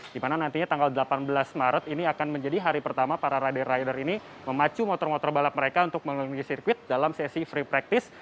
di mana nantinya tanggal delapan belas maret ini akan menjadi hari pertama para rider rider ini memacu motor motor balap mereka untuk memenuhi sirkuit dalam sesi free practice